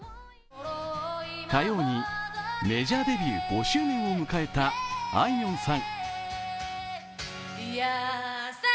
火曜にメジャーデビュー５周年を迎えたあいみょんさん。